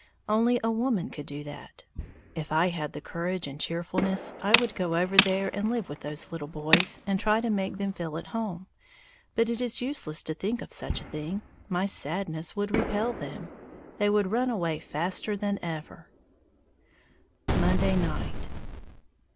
Only a woman could do that. If I had the courage and cheerfulness, I would go over there and live with those little boys and try to make them feel at home. But it is useless to think of such a thing, my sadness would repel them, they would run away faster than ever. _Monday Night.